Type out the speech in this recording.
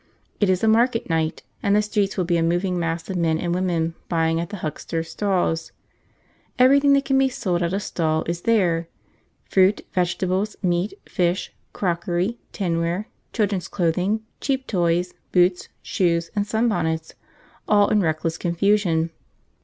It is a market night, and the streets will be a moving mass of men and women buying at the hucksters' stalls. Everything that can be sold at a stall is there: fruit, vegetables, meat, fish, crockery, tin ware, children's clothing, cheap toys, boots, shoes, and sun bonnets, all in reckless confusion.